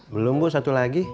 belum bu satu lagi